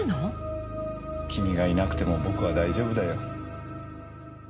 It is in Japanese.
君がいなくても僕は大丈夫だよ。